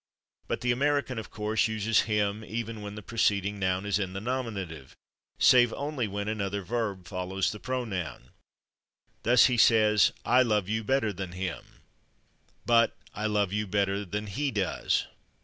But the American, of course, uses /him/ even when the preceding noun is in the nominative, save only when another verb follows the pronoun. Thus, he says, "I love you better than /him/," but "I love you better than /he/ does."